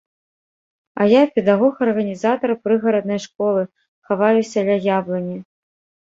А я, педагог-арганізатар прыгараднай школы, хаваюся ля яблыні.